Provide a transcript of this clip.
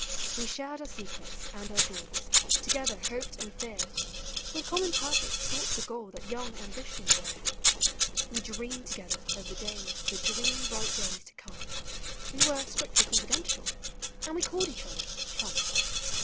We shared our secrets and our joys, together hoped and feared. With common purpose sought the goal that young Ambition reared; Digitized by Google FRIENDSHIP. 373 We dreamed together of the days, the dream bright days to come, We were strictly confidential, and we called each other " chum."